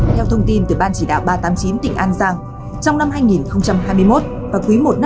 theo thông tin từ ban chỉ đạo ba trăm tám mươi chín tỉnh an giang trong năm hai nghìn hai mươi một và quý i năm hai nghìn hai mươi